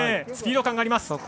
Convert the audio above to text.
スピード感があります。